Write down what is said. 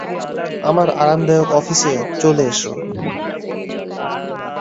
আমার আরামদায়ক অফিসে চলে এসো।